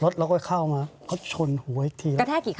สมมติ